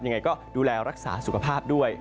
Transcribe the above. ยังไงก็ดูแลรักษาสุขภาพด้วย